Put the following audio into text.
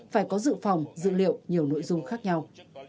phải có dự phòng dữ liệu nhiều nội dung khác nhau